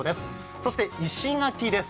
そして石垣です。